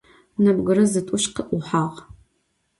Nebgıre zıt'uş khı'uhağ.